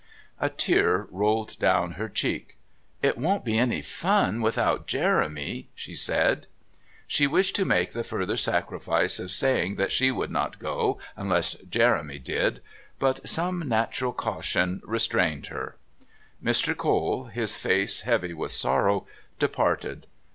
A tear rolled down her cheek. "It won't be any fun without Jeremy," she said. She wished to make the further sacrifice of saying that she would not go unless Jeremy did, but some natural caution restrained her. Mr. Cole, his face heavy with sorrow, departed.